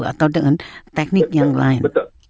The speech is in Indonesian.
atau dengan teknik yang lain